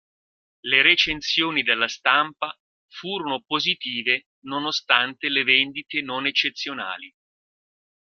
Le recensioni della stampa furono positive nonostante le vendite non eccezionali.